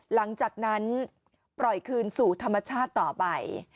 หลังจากนั้นปล่อยคืนสู่ธรรมชาติต่อไป